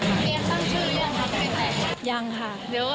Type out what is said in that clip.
เองตั้งชื่อหรือยังค่ะเกี่ยวกัน